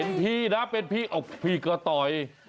เป็นพี่นะเป็นพี่พี่ก็ต่อย